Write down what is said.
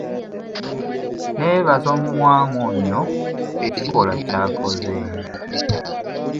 Nneebaza omwami ono ekikolwa ky'akoze.